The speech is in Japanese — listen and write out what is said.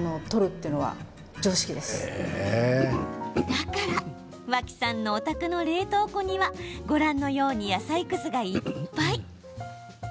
だから脇さんのお宅の冷凍庫にはご覧のように野菜くずがいっぱい。